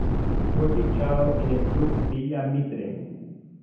Fue fichado en el Club Villa Mitre.